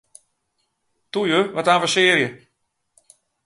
Toe ju, wat avensearje!